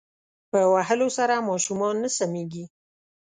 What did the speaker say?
په وهلو سره ماشومان نه سمیږی